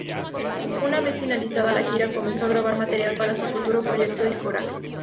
Una vez finalizada la gira comenzó a grabar material para su futuro proyecto discográfico.